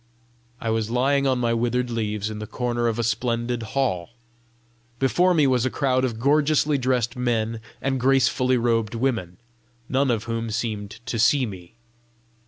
I was lying on my withered leaves in the corner of a splendid hall. Before me was a crowd of gorgeously dressed men and gracefully robed women, none of whom seemed to see me.